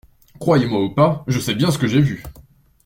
Croyez-moi ou pas, je sais bien ce que j’ai vu.